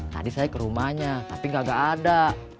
tadi saya ke rumahnya tapi gak ada